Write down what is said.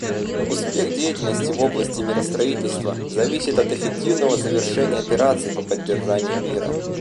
Успех деятельности в области миростроительства зависит от эффективного завершения операций по поддержанию мира.